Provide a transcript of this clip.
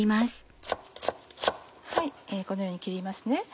はいこのように切りますね。